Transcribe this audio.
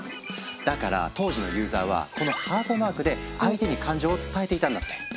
だから当時のユーザーはこのハートマークで相手に感情を伝えていたんだって。